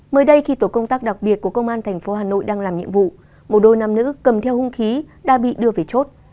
mới đây khi tổ công tác đặc biệt của công an tp hà nội đang làm nhiệm vụ một đôi nam nữ cầm theo hung khí đã bị đưa về chốt